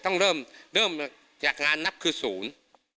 ต้องเริ่มเริ่มจากงานนับคือศูนย์